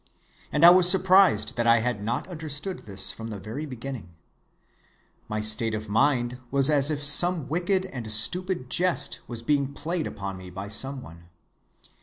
And I was surprised that I had not understood this from the very beginning. My state of mind was as if some wicked and stupid jest was being played upon me by some one.